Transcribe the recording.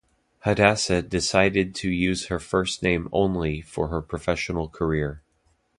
Hadassah decided to use her first name only for her professional career.